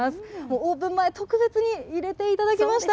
オープン前、特別に入れていただきました。